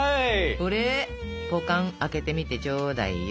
これぱかん開けてみてちょうだいよ。